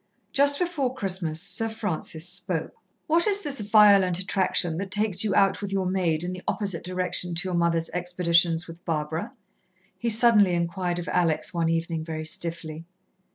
Just before Christmas Sir Francis spoke: "What is this violent attraction that takes you out with your maid in the opposite direction to your mother's expeditions with Barbara?" he suddenly inquired of Alex one evening, very stiffly.